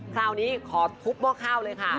คราวนี้ขอทุบหม้อข้าวเลยค่ะ